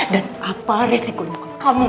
dan apa risiko kamu untuk menangkan aku